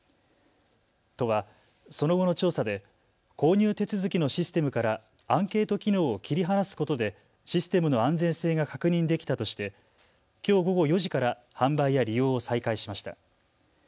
都はその後の調査で購入手続きのシステムからアンケート機能を切り離すことでシステムの安全性が確認できたとしてきょう午後４時から販売や利用を再開しました。